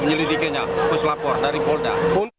penyelidikannya khusus lapor dari polda